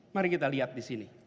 mari kita lihat di sini